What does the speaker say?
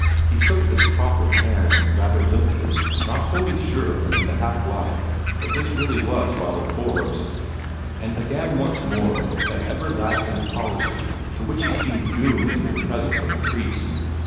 He took this proffered hand rather limply, not wholly sure in the half light that this really was Father Forbes, and began once more that everlasting apology to which he seemed doomed in the presence of the priest.